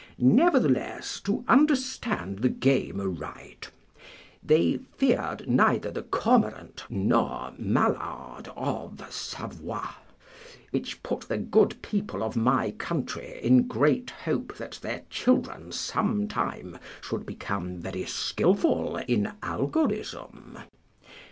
Nevertheless, to understand the game aright, they feared neither the cormorant nor mallard of Savoy, which put the good people of my country in great hope that their children some time should become very skilful in algorism.